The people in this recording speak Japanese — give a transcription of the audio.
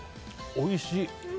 おいしい。